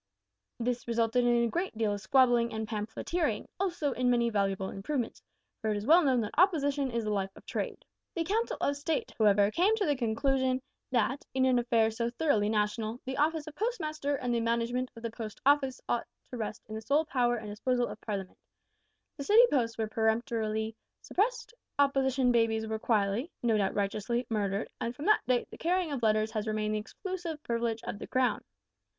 This resulted in a great deal of squabbling and pamphleteering, also in many valuable improvements for it is well known that opposition is the life of trade. The Council of State, however, came to the conclusion that, in an affair so thoroughly national, the office of Postmaster and the management of the Post Office ought to rest in the sole power and disposal of Parliament; the City posts were peremptorily suppressed; opposition babies were quietly no doubt righteously murdered; and from that date the carrying of letters has remained the exclusive privilege of the Crown.